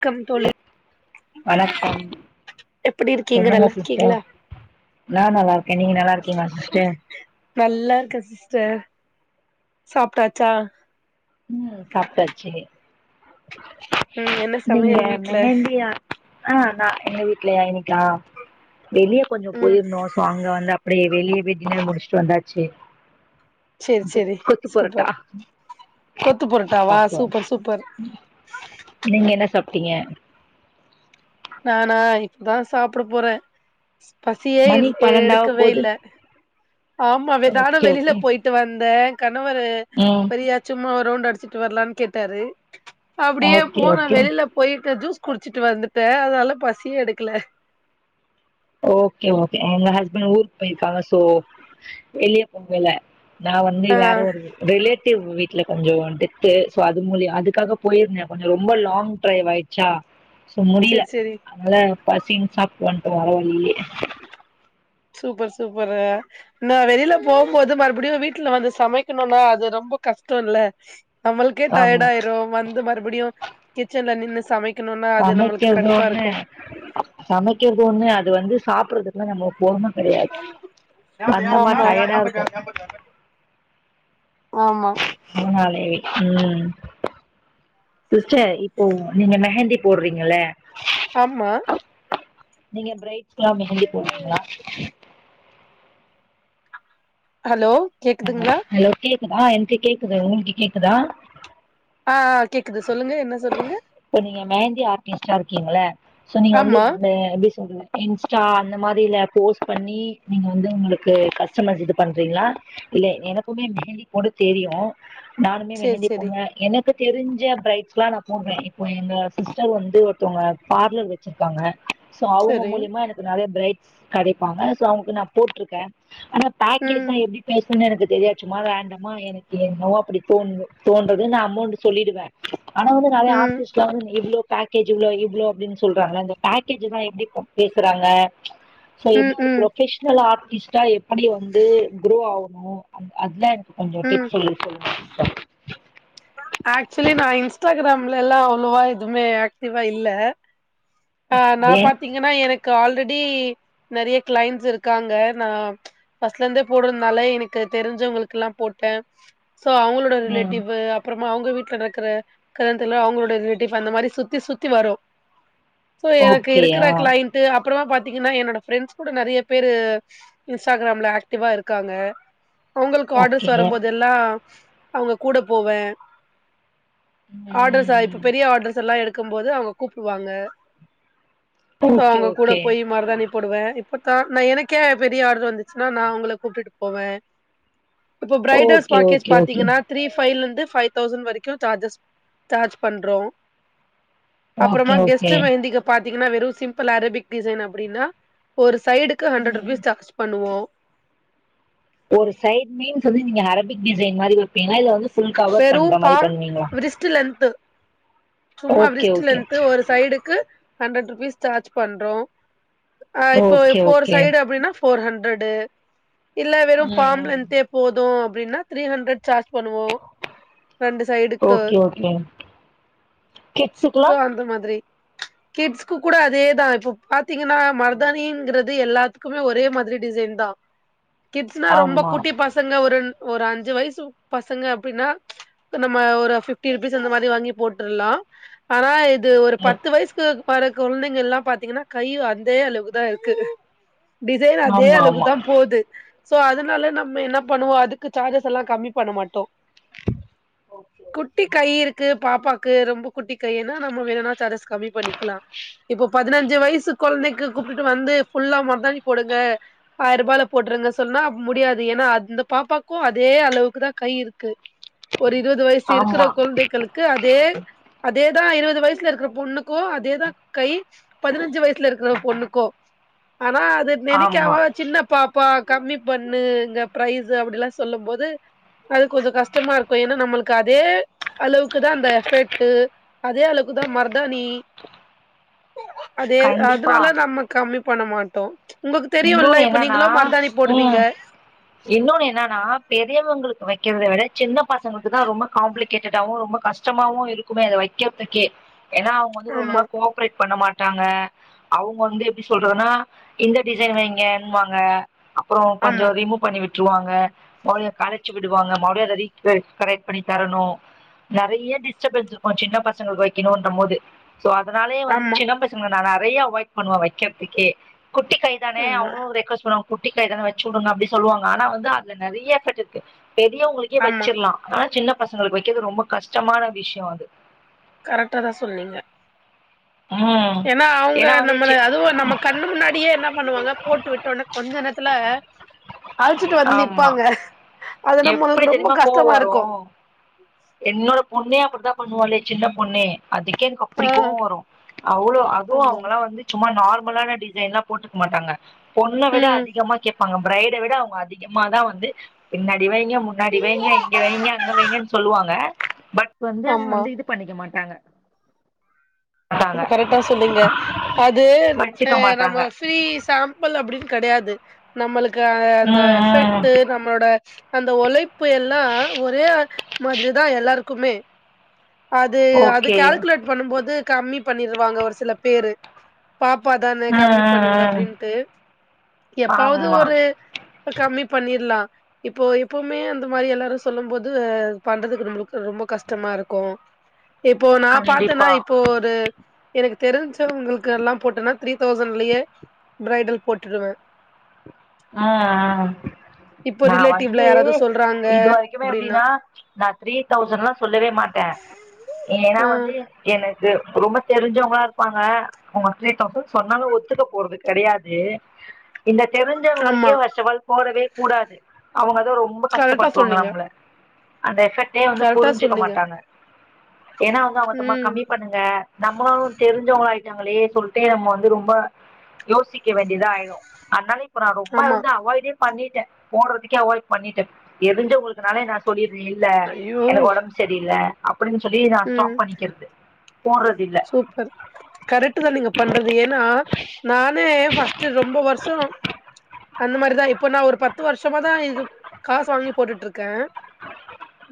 க்கம் தோழி வணக்கம் எப்டி இருக்கீங்க சொல்லுங்க சிஸ்டர் நல்லாருக்கீங்ளா நா நல்லாருக்கே நீங்க நல்லாருக்கிங்ளா சிஸ்டர் நல்லாருக்கே சிஸ்டர் சாப்ட்டாச்சா ம் சாப்ட்டாச்சு ம் என்ன நீங்க சமையல் வீட்ல மெஹந்தியா ஆ நா எங்க வீட்லயா இன்னைக்கா வெளிய கொஞ்சோ ம் போயிருந்தோ சோ அங்க வந்து அப்டே வெளியவே டின்னர் முடிச்சுட்டு வந்தாச்சு சேரி குத் சேரி குத் புரட்டா சூப்பர் கொத்து பொரட்டாவா சூப்பர் சூப்பர் நீங்க என்ன சாப்ட்டிங்க நானா இப்பதா சாப்ட போறே பசியே இரு மணி ஏ பன்னெண்டாவ எடுக்கவே போது இல்ல ஆமா வெ நானு ஓகே வெளில ஓகே போயிட் ட்டு வந்தே கணவரு ம் வரியா சும்மா ஒரு ரவுண்ட்டடிச்சிட்டு வர்லான் கேட்டாரு அப்டியே ஓகே போனா ஓகே வெளில போயிட்டு ஜூஸ் குடிச்சிட்டு வந்துட்டே அதனால பசி எடுக்கல ஓகே ஓகே எங்க ஹஸ்பண்ட் ஊருக்கு போயிருக்காங்க சோ வெளிய உங்கள நா வந்து ஆ வேற ஒரு ரிலேட்டிவ் வீ்ட்ல கொஞ்சோ டெத்து சோ அது மூலிய அதுக்காக போயிருந்தே கொஞ்சோ ரொம்ப லாங் ட்ரைவாயிட் ச்சா சோ முடில சேரி சேரி அதனால பசின் சாப்ட்டு வன்ட்டோ வர வழிலே சூப்பர் சூப்பரு நா வெளில போம்போது மறுபடியு வீட்ல வந்து சமைக்கணுனா அது ரொம்ப கஷ்டோ இல்ல நம்முளுக்கே டயர்ட் ஆமா ஆயிரு வந்து மறுபடியு கிச்சன்ல நின்னு சமைக் குணுனா அது நம்ளுக்கு கடுப்பாருக்கு சமைக்கறது ஒன்னு அது வந்து சாப்புர்றது து நம்போ பொம்ம கெடையாது வந்தமா ஆமா டயடா இருக்கு ஆமா அதனாலே ம் சிஸ்டர் இப்போ நீங்க மெஹந்தி போட்றீங்கள ஆமா நீங்க பிரைட்ஸ்க்லா மெஹந்தி போட்றீங்ளா ஹலோ கேக்குதுங்களா ஹலோ கேக்கு ஆ எனக்கு கேக்குது உங்குளுக்கு கேக்குதா ஆ ஆ கேக்குது சொல்லுங்க என்ன சொன்னிங்க இப்ப நீங்க மெஹந்தி ஆர்டிஸ்ட்டா இருக்கீங்ள சோ நீங்க வந்து ஆமா இந்த எப்டி சொல்ற இன்ஸ்டா அந்த மாரில போஸ்ட் பண்ணி நீங்க வந்து உங்குளுக்கு கஸ்டமர் இது பண்றீங்ளா இல்ல எனக்குமே மெஹந்தி போட தெரியு நானுமே சேரி மெஹந்தி சேரி போனே எனக்கு தெரிஞ் ஞ்ச பிரைட்ஸ்க்குலா நா போடுவே இப்போ எங்க சிஸ்டர் வந்து ஒருத்தவங்க பார்லர் வச்சிருக்காங்க சோ அவங்க சேரி மூலியமா எனக்கு நறைய பிரைட்ஸ் கெடைப்பாங்க சோ அவுங்குக்கு நா போட்ருக்கே ஆனா ம் பேக்கேஜ் தா எப்டி பேசணுனு எனக்கு தெரியாது சும்மா ரேண்டமா எனக்கு என்னவோ அப்டி தோ தோன்றது நா அமௌண்டு சொல்லிடுவே ஆனா வந்து நறைய ம் ஆர்ட்டிஸ்ட்லா வந்து டெய்லியு பேக்கேஜ் இவ்ளோ இவ்ளோ அப்டின் சொல்றாங்க இந்த பேக்கேஜ்லா எப்டி பேசுறாங்க சோ ம் எப்டி ஒரு ம் ப்ரொஃபஷனல் ஆர்டிஸ்ட்டா எப்டி வந்து க்ரோ ஆவுணு அதா எனக்கு கொஞ்சோ ம் டிப்ஸ் சொல் சொல்லுங்க சிஸ்டர் ஆக்சுவலி நா இன்ஸ்டாகிராம்லலா அவ்ளோவா இதுமே ஆக்டிவா இல்ல அ நா ஓகே. பாத்திங்கன்னா எனக்கு ஆல்ரெடி நறைய கிளைண்ட்ஸ் இருக்காங்க நா ஃபஸ்ட்லந்து போட்றதுனால எனக்கு தெரிஞ்சவங்களுக்குலா போட்டே சோ அவுங்ளோட ம். ரிலேட்டிவ்வு அப்றமா அவங்க வீட்ல நடக்கற கல்யாணத்துக்குலா அவுங்ளோட ரிலேட்டிவ் அந்த மாரி சுத்தி சுத்தி வரு சோ எனக்கு ஓகே. இருக்குற ஆ. கிளைண்ட் அப்றமா பாத்தீங்கனா என்னோட ஃப்ரெண்ட்ஸ் கூட நெறைய பேரு இன்ஸ்டாகிராம்ல ஆக்டிவா இருக்காங்க அவுங்களுக்கு ஆர்டர்ஸ் ஓகே. வரும்போதெல்லா அவுங்க கூட போவே ஆர்டர்ஸா இப்ப ம். பெரிய ஆர்டர்ஸ் எல்லா எடுக்கும் போது அவுங்க கூப்டுவாங்க சோ ஓகே, அவுங்க கூட ஓகே. போய் மருதானி போடுவே இப்பக்கா நா எனக்கே பெரிய ஆர்டர் வந்துச்சுனா நா உங்கள கூட்டிடு போவே இப்போ bridals okay package okay okay பாத்தீங்கன்னா த்ரீ ஃபைவ்ல இருந்து ஃபைவ் தௌசண்ட் வரைக்கு சார்ஜஸ் சார்ஜ் பண்றோ ஓகே அப்றமா கெஸ்ட் ஓகே பாத்தீங்கனா வெறும் சிம்பிள் அரபிக் டிசைன் அப்டின்னா ஒரு சைடுக்கு ஹண்ட்ரட் ம் ருபீஸ் சார்ஜ் பண்ணுவோ ஒரு சைட் மீம்ஸ் வந்து நீங்க அரபிக் டிசைன் மாதிரி வப்பீங்கனா இது வந்து ஃபுல் கவர் வெரூ பண்ற மாரி ஃபாம் பண்ணுவீங்களா ரிஸ்ட்ல இருந்து சும்மா ஓகே பிரிஸ்ட்ல ஓகே இருந்து ஒரு சைடுக்கு ஹண்ட்ரட் ருபீஸ் சார்ஜ் பண்றோ இப்போ ஓகே ஃபோர் ஓகே சைடு அப்டின்னா ஃபோர் ஹண்ட்ரடு இல்ல வெறும் ம் ம் பாம்லென்தே போதும் அப்டின்னா த்ரீ ஹண்ட்ரட் சார்ஜ் பண்ணுவோ ரெண்டு சைடுக்கு ஒகே ஓகே கிட்ஸ்க்லா சோ அந்த மாதிரி கிட்ஸ்க்கு கூட அதேதா இப்போ பாத்தீங்கன்னா மருதானிங்கிறது எல்லாத்துக்குமே ஒரே மாதிரி டிசைன் தா [inaudible] கிட்ஸ்னா ரொம்ப ஆமா குட்டி பசங்க ஒரு ஒரு அஞ்சு வயசு பசங்க அப்டின்னா நம்ம ஒரு ஃபிப்டி ருபீஸ் அந்த மாதிரி வாங்கி போட்ருலாம் ஆனா இது ஒரு ம் பத்து வயசுக்கு பாரு குழந்தைங் எல்லாம் பாத்தீங்கன்னா கை அந்தே அளவு தா இருக்கு டிசைன் அதே ஆமா அளவுக்கு ஆமா தா போது சோ அதனால நம்ம என்ன பண்ணுவோ அதுக்கு சார்ஜஸ் எல்லா கம்மி பண்ண மாட்டோ ஓகே குட்டி ஓகே கை இருக்கு பாப்பாக்கு ரொம்ப குட்டி கைன்னா நம்ம வேணும்னா சார்ஜஸ் கம்மி பண்ணிக்கலா இப்போ பதினஞ்சு வயசு குழந்தைக்கு கூப்ட்டு வந்து ஃபுல்லா மருதாணி போடுங்க ஆயிரம் ரூபால போட்ருங்கனு சொன்னா முடியாது ஏன்னா அந்த பாப்பாக்கும் அதே அளவுக்கு தா கை இருக்கு க்கு ஒரு இருபது வயசு இருக்குற ஆமா குழந்தைகளுக்கு அதே அதேதா இருபது வயசுல இருக்குற பொண்ணுக்கு அதேதா கை பதினஞ்சு வயசுல இருக்குற பொண்ணுக்கு ஆனா அது ஆமா நினைக்காம சின்ன பாப்பா கம்மி பண்ணு இங்க பரைஸ்ஸ அப்டினு எல்லா சொல்லும் போது அது கொஞ்சோ கஷ்டமா இருக்கும் ஏன்னா நம்மளுக்கு அதே அளவுக்கு தான் அந்த எஃபெக்ட் அதே அளவுக்கு தான் மர்தாணி [inaudible] அதே கண்டிப்பா அதனால நம்ம கம்மி பண்ண மாட்டோ உங்களுக்கு இன்னொன்னு தெரியும்ல இப்ப என்னன்னா நீங்களா மருதாணி போடுவீங்க ம் இன்னொன்னு என்னன்னா பெரியவங்களுக்கு வக்கிறத விட சின்ன பசங்களுக்கு தா ரொம்ப காம்பளிகேட்டடாவும் ரொம்ப கஷ்டம் கஷ்டமாவும் இருக்குமே இத வக்கிறதுக்கே ஏன்னா அவுங் ஆமா வந்துருக்கவங்களா கோப்ரேட் பண்ண மாட்டாங்க அவுங்க வந்து எப்டி சொல்றதுன்னா இந்த டிசைன் வைங்கனுவாங்க அப்றோ கொஞ்சோ ஆமா ரிமூ பண்ணி விட்ருவாங்க ஓலைய கழச்சு விடுவாங்க மறுபடியு அத ரீச் பெருக் கரெக்ட் பண்ணி தரணு நெறைய டிஸ்டபென்ஸ் இருக்கு சின்ன பசங்களுக்கு வைக்கணுன்ற மோது சோ அதனாலயே வந்து ஆமா சின்ன பசங்கள நா நெறைய அவாய்ட் பண்ணுவே வைக்கறதுக்கே குட்டி கை தான ஆமா அவங்களு ரெக்வொஸ்ட் பண்ணுவாங்க குட்டிகை தான வச்சு வுடுங்க அப்டி சொல்வாங்க ஆனா வந்து அதுல நெறைய எஃபெக்ட் இருக்கு பெரியவங்களுக்கே ஆமா வச்சிற்லா ஆனா சின்னப் பசங்களுக்கு வைக்கிறது ரொம்ப கஷ்டமான விஷ்யோ அது கரெக்டா தா சொல்னீங்க ம் ஏனா அவுங்க ஏன்னா வந்து சி நம்மள அதுவு நம்ம கண்ணு முன்னாடியே என்ன பண்ணுவாங்க போட்டு விட்டோனே கொஞ்ச நேரத்துல அழுச்சுட்டு வந்து ஆமா நிப்பாங்க அது எப்டி நம்மளுக்கு ரொம்ப தெரியுமா கோவோ கஷ்டமா வரு இருக்கு என்னோட பொண்ணே அப்டித்தா பண்ணுவாலே சின்ன பொண்ணே அதுக்கே எனக்கு அப் ஆ அப்டி கோவோ வரு அவளோ அதுவு ஆமா அவங்கல்லா வந்து சும்மா நார்மலான டிசைன்ல்லா போட்டுக்க மாட்டாங்க பொண்ண விட ம் அதிகமா கேப் அவுங்க பிரைட விட அவுங்க அதிகமா தா வந்து பின்னாடி வைங்க முன்னாடி வைங்க இங்க வைங்க அங்க வைங்கன் சொல்லுவாங்க பட் வந்து அத ஆமா வந்து இது பண்ணிக்க மாட்டாங்க மாட்டாங்க ரொம்ப கரெக்டா சொன்னீங்க அது அ வச்சுக்க நம்ம மாட்டாங்க ஃபிரீ சாம் பிள் அப்டின் கெடையாது நம்மளுக்கு அ அந்த ம் ம் எஃபெக்ட்டு நம்மளோட அந்த ஒழைப்பு எல்லா [inaudible] ஒரே மாதிரி தா எல்லாருக்குமே அது அது ஓகே கால்குலேட் பண்ணும்போது கம்மி பண்ணிருவாங்க ஒரு சில பேரு பாப்பாதான ம் கம்மி பண்ணுங்க ம் ம் அப்டின்ட்டு எப்பவாது ஆமா ஒரு இப்ப கம்மி பண்ணிற்லா இப்போ எப்பமே அந்த மாரி எல்லாரு சொல்லும் போது பண்றதுக்கு நம்மளுக்கு ரொம்ப கஷ்டமா இருக்கு இப்போ நா பாத்தேனா கண்டிப்பா இப் போ ஒரு எனக்கு தெரிஞ்சவங்களுக்கல்லா போட்டேன்னா த்ரீ தௌசண்லயே பிரைடல் போட்ருவே ஆ ஆ இப்போ நா ரிலேட்டிவ்ல வந்து யாராவது சொல்றாங்க இது வரைக்குமே அப்டின்னா எப்டினா நா த்ரீ தௌசண்லா சொல்லவே மாட்டே ஏனா ஆ வந்து எனக்கு ரொம்ப தெருஞ்சவங்களா இருப்பாங்க அவுங்க த்ரீ தௌசண்ட் சொன்னாலு ஒத்துக்க போறது கெடையாது இந்த தெருஞ் ஆமா ஞ்சவங்களுக்கே ஃபஸ்ட்அஃப்ஆல் போடவே கூடாது அவுங்கதா ரொம்ப கரெக்டா கஷ்டப்படுத்துவாங்க சொன்னீங்க நம்மள அந்த எஃபெக்டே வந்து கரெக்டா புரிஞ்சுக்க சொன்னீங்க மாட்டாங்க ஏனா அவுங்க அபத்தமா ம் கம்மி பண்ணுங்க க நம்மளு தெருஞ்சவங்க ஆய்ட்டாங்களே சொல்ட்டு நம்ம வந்து ரொம்ப யோசிக்க வேண்டியதா ஆயிறு அதுனால இப்ப நா ரொம்ப ஆமா வந்து அவாய்டே பண்ணிட்டே போட்றதுக்கே அவாய்ட் பண்ணிட்டே தெருஞ்சவங்களுக்கு னாலே நா சொல்லிற்றே இல்ல ஐயோ எனக்கு ஒடம்பு சரியில்ல அப்டின் சொல்லி நா ஸ்டாப் பண்ணிக்கிறது போட்றதில்ல சூப்பரு கரெட்டு தா நீங்க பண்றது ஏனா நானே ஃபஸ்ட்டு ரெம்ப வர்ஷோ அந்த மாரிதா இப்ப நா ஒரு பத்து வருஷமா தா இது காசு வாங்கி போட்டுட்ருக்கே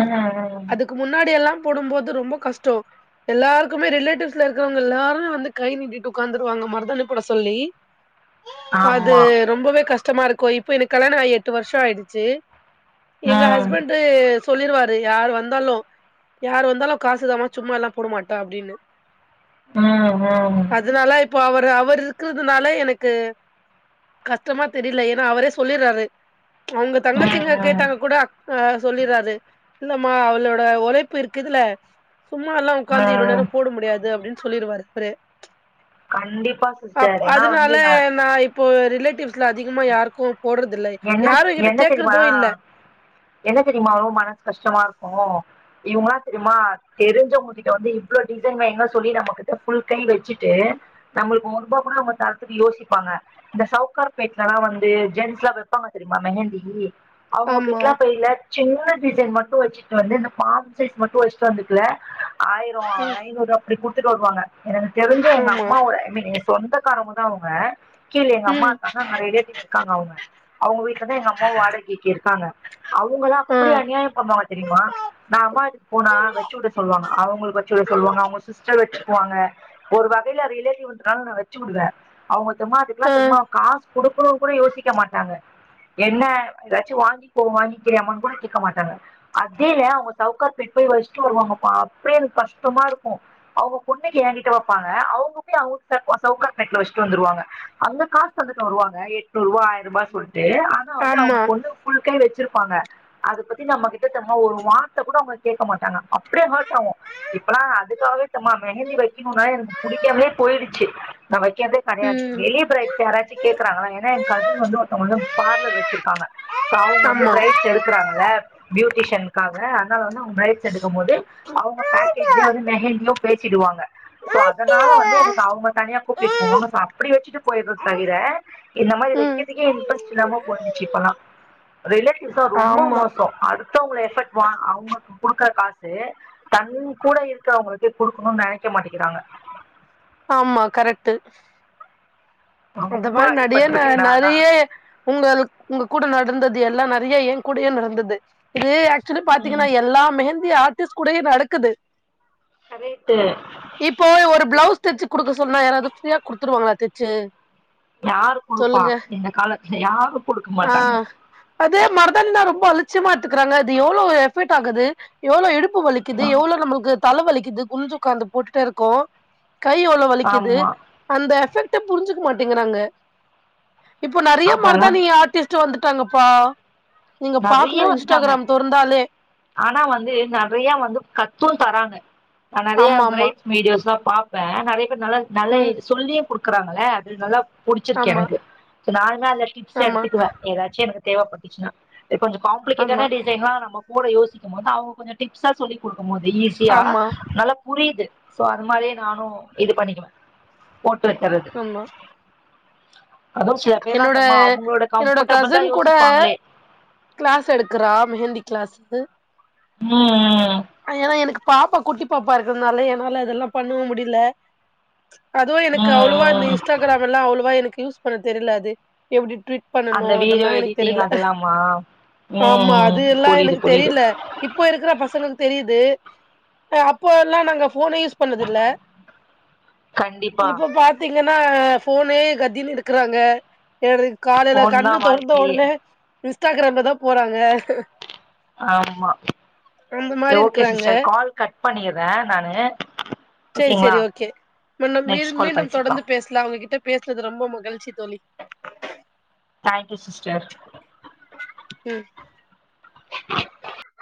அ அ அ அ அதுக்கு முன்னாடி எல்லா போடும்போது ரொம்ப கஷ்ட்டோ எல்லாருக்குமே ரிலேட் டிவ்ஸ்ல இருக்கவங்க எல்லாருமே வந்து கை நீட்டிட்டு உக்காந்துருவாங்க மருதாணி போட சொல்லி அது ஆமா ரொம்பவே கஷ்டமா இருக்கு இப்போ எனக்கு கல்யாண ஆயி எட்டு வர்ஷோ ஆயிடுச்சு எங்க ம் ஹஸ்பெண்டு து சொல்லிருவாரு யார் வந்தாலு யார் வந்தாலு காசுதமா சும்மா எல்லா போடமாட்டா அப்டின்னு ஆ ஹான் அதனால இப்போ அவர் அவரு இருக்கறதுனால எனக்கு கஷ்டமா தெரில ஏன்னா அவரே சொல்லிராரு அவுங்க ம் தங்கச்சிங்க ம் கேட்டாங்கக் கூட அக் ஆ சொல்லிராரு இல்லம்மா அவ்ளோட ஒழைப்பு இருக்கு இதுல்ல சும்மா எல்லா உக்காந்து இவ்ளோ நேரோ ம் போட முடியாது அப்டின்னு சொல்லிருவாரு அவ்ரே கண்டிப்பா அப் சிஸ்டர் ஏன்னா அதனால வந்து நான் நா இப்போ ரிலேட்டிவ்ஸ்ல அதிகமா யார் கோன் போடுறதில்ல என்ன யாரு கிட்ட என்ன தெரியுமா கேக்குறது இல்ல என்ன தெரியுமா ரொம் மனசு கஷ்டமா இருக்கு இவுங்களா இன்னமா தெரிஞ்சவாங்க கிட்ட வந்து இவ்ளோ டிசைன் வைங்க சொல்லி நம்மகிட்ட ஃபுல் கை வெச்சுட்டு நம்மளுக் ஒர்பா கூட அவுங்க தரத்துக்கு யோசிப்பாங்க இந்த சவுக்கார் பேட்லலா வந்து ஜென்ஸ்லா வெ ப்பாங்க தெரியுமா மெஹந்தி அவ்ங்க ஆமா கிட்லா ஃபைய்லக் சின்ன டிசைன் மட்டு வச்சிட்டு வந்து இந்த பாம் சைஸ் மட்டு வச்சுட்டு வந்துட்டுல ஆயர் ரோ ஐநூறுவா அப்டி குடுத்துட்டு வருவாங்க எனக்கு தெரிஞ்ச எங்க ஆமா அம்மவோட மே எங்க சொந்தக்காரவங்க தா அவுங்க கீழ எங்க அம்மா ம் இருக்காங்க அங்க ரிலாட்டிவ் இருக்காங்க அவுங்க அவுங்க வீட்லதா எங்க அம்மாவு வாடகிக்கி இருக்காங்க அவுங்களா ஆ அப்டி அநியாயோ பண்ணுவாங்க தெரியுமா நா அம்மா வீட்டுக்கு போனா வச்சு வுட சொல்வாங்க அவுங்களுக்கு வச்சு விட சொல்வாங்க அவுங்க சிஸ்டர் வச்சிக்குவாங்க ஒரு வகையில ரிலேட்டிவ்ன்றனல நா வெச்சி வுடுவே அவுங்க தெம்மா அதுக்கெல்லா ஆ தெர்ம்மா காசு குடுக்கணு கூட யோசிக்க மாட்டாங்க என்ன ஏதாச்சு வாங்கிக்கோ வாங்கிக்கிறியாமா கூட கேக்க மாட்டாங்க அத்தியே அவுங்க சவுக்கார்பேட் போய் வைசிட்டு வருவாங்கப்ப அப்டியே எனக்கு கஷ்டமா இருக்கு அவுங்க பொண்ணுக்கு ஏங்கிட்ட வப்பாங்க அவுங்க போயி அவுங்க சவுக்க சவுகார்பேட்ல வச்சுட்டு வந்துருவாங்க அங்க காச் தந்துட்டு வருவாங்க எட்நூரூவா ஆயரூபா சொல்ட்டு ஆனா வந்து அவுங்க ஆமா பொண்ணு ஃபுல் கை வச்சிருப்பாங்க அது பத்தி நம்ம கிட்டத் தெம்ம ஒரு வார்த்தக் கூட அவுங்க கேட்க மாட்டாங்க அப்டியே ஹர்ட் ஆகு இப்பல்லா அதுக்காகவே தெம்மா மெஹந்தி வைக்கணும்னால எனக்கு புடிக்காமலே போய்டுச்சு நா வைக்கறதே கடையாது ம் வெளிய பிரைட்ஸ் யாராச்சு கேக்குறாங்களா ஏன்னா என் கசின் வந்து ஒருத்தவங்கள்ட பார்லர் வச்சிருக்காங்க ஸோ அவுங்க வந்து ஆமா ப்ரைட்ஸ் எடுக்கறாங்கல ப்யூட்டிஷன் காக அதனால வந்து அவுங்க ப்ரைட்ஸ் எடுக்கு போது அவுங்க பேக்கேஜ்லியே வந்து மெஹந்தியோ பேசிடுவாங்க ஸோ அதனால வந்து எனக்கு அவுங்க தனியா கூப்பிட்டு போவாங்க ஸோ அப்டி வச்சுட்டு போயிடுறது தவிர இந்த மாரி ம் வெக்கதுக்கே இன்ட்ரெஸ்ட் இல்லாம போயிர்ச்சி இப்பல்லா ரிலேட்டிவ்ஸா ரொம்ப ஆமா மோசோ அடுத்தவங்கல எஃபர்ட் வா அவுங்கக்கு குடுக்குற காசு தண்ணி கூட இருக்குறவங்களுக்கு குடுக்கணு நெனைக்க மாட்டேக்கிறாங்க ஆமா கரெக்ட்டு அந்த ரொம்ப மாரி நடிய ந அடிபட்டிருக்கேன் நான் ஆனா நெறைய உங்கள் உங்க கூட நடந்தது எல்லா நறியா ஏன் கூடயே நடந்தது இது ஆக்சுவலி பாத்தீங்கன்னா ம் எல்லா மெஹந்தி ஆர்ட்டிஸ்ட் கூடயே நடக்குது கரேட்டு இப்போ ஒரு ப்ளவுஸ் தெச்சு குடுக்க சொன்னா யாராது ஃப்ரீயா குடுத்துருவாங்களா தெச்சு யார் குடுப்பா இந்த காலத்துல யாரு குடுக்க ஆ மாட்டாங்க அதே மரதானி தா ரொம்ப அலச்சியமா எத்துக்குறாங்க அது எவ்ளோ எஃபெக்ட் ஆகுது எவ்ளோ இடுப்பு வலிக்குது எவ்ளோ நம்மள்க்கு தல வலிக்குது குனிஞ்சு உக்காந்து போட்டுட்டே இருக்கோ கை எவ்ளோ வலிக்குது ஆமா அந்த எஃபெக்ட்ட புரிஞ்சுக்க மாட்டேங்குறாங்க இப்போ நெறையா அதெல்லா மருதாணி ஆர்ட்டிஸ்ட்டு வந்துட்டாங்கப்பா நீங்க நெறைய பாக்கணு வந்துட்டாங்க இன்ஸ்டாகிராம் தொறந்தாலே ஆனா வந்து நெறையா வந்து கத்தும் தராங்க ஆ நெறையா ஆமா ஆமா ப்ரைட்ஸ் மீடியோஸ்லா பாக் பே நெறைய பேர் நல்லார்க் நல்லை ம் இது சொல்லியே குடுக்குறாங்கள அது நல்லாப் புடிச்சிருக்கு ஆமா எனக்கு சோ நா என்னா அதுல டிப்ஸ்ஸு ஆமா எடுத்துக்குவே ஏதாச்சி எனக்கு தேவைப்பட்டுச்சுன்னா எ கொஞ்ச காம்ப்ளிகேட்டான ஆமா டிசைன்லா நம்ம கூட யோசிக்கும்போது அவங்க கொஞ்சோ டிப்ஸா சொல்லி குடுக்கும்போது ஈஸ் ச்சியா ஆமா நல்லா புரியுது சோ அது மாரியே நானு இது பண்ணிக்குவே போட்டு வச்சிறது ஆமா அதூஸ் சில பேர்லா என்னோட தம்மா அவங்களோட கம்ஃபர்டபுள் தா யோசிப்பாங்களே க்ளாஸ் எடுக்குறா மெஹந்தி க்ளாஸு ம்ம் அ என்னா எனக்கு பாப்பா குட்டி பாப்பா இருக்கறதுனால என்னால அதெல்லா பண்ணவு முடில ம்ச் அதுவு எனக்கு ம் அவ்ளோவா இந்த ம் இன்ஸ்டாகிராம் எல்லா அவ்ளோவா எனக்கு யூஸ் பண்ணத் தெரில அது எப்படி ட்வீட் பண்ணணு அந்த வீடியோ அதெல்லா எனக்கு எடிட்டிங் தெரியல அதெல்லாமா ம் ஆமா ம் அது எல்லா புரியுது எனக்கு புரியுது தெரியில இப்போ இருக்கிற பசனுக்கு தெரியுது அ அப்போ எல்லா நாங்க ஃபோனே யூஸ் பண்ணது இல்ல, கண்டிப்பா இப்ப பாத்தீங்கன்னா ஃபோனே கதின்னு இருக் க்கறாங்க எல்ரைக்கு காலையில ஃபோன் தா கண்ணு தொறந்த வாழ்க்கையே உடனே இன்ஸ்டாகிராம்ல தா போறாங்க ஆமா அந்த செ மாரி ஓகே இருக்கறாங்க சிஸ்டர் கால் கட் பண்ணிற நானு செரி ஓகேங்களா செரி ஓகே மிண்ணும் மீல் நெக்ஸ்ட் கால் மீண்டும் தொடர்ந்து பேசிக்கலாம் பேச ல அவங்ககிட்ட பேசுனது ரொம்ப மகிழ்ச்சி தோழி தேங்க் யூ சிஸ்டர் ம் [unintelligible]